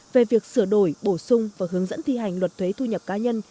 về việc sửa đổi bổ sung và hướng dẫn thi hành luật thuế thu nhập cá nhân